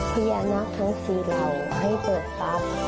พญานาคทั้งสี่เหล่าให้เปิดทรัพย์